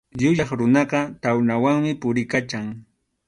Yuyaq runaqa tawnawanmi puriykachan.